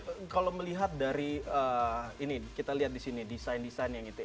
tapi kalau melihat dari ini kita lihat disini desain desainnya gitu